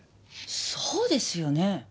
そうですよね。